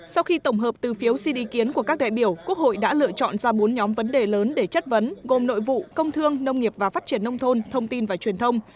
sau khi tổng hợp từ phiếu xin ý kiến của các đại biểu quốc hội đã lựa chọn ra bốn nhóm vấn đề lớn để chất vấn gồm nội vụ công thương nông nghiệp và phát triển nông thôn thông tin và truyền thông